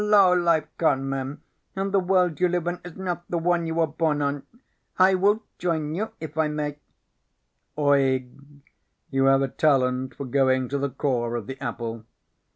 "Low life con men. And the world you live on is not the one you were born on. I will join you if I may." "Oeg, you have a talent for going to the core of the apple."